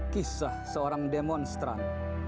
kisah seorang demonstran